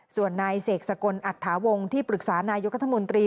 ส่วนนายเสกสกลอัตถาวงที่ปรึกษานายกรัฐมนตรี